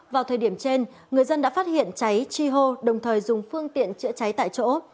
vào thời điểm trên người dân đã phát hiện cháy chi hô đồng thời dùng phương tiện chữa cháy tại chỗ